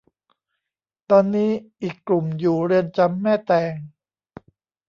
ตอนนี้อีกกลุ่มอยู่เรือนจำแม่แตง